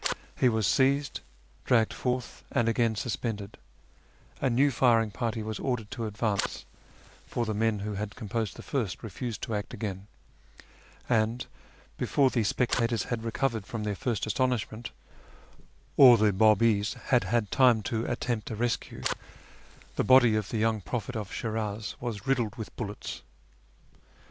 He was seized, dragged fortli, and again suspended ; a new firing party was ordered to advance (for the men who had composed the first refused to act again) ; and before the spectators had recovered from their first astonishment, or the Babis had had time to attempt a rescue, the body of the young prophet of Shiniz was riddled with bullets.